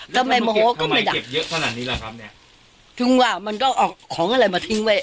ทำไมมโหก็ไม่แล้วเยอะแหงนะครับเนี่ยถึงว่ามันก็ออกของอะไรมาทิ้งไว้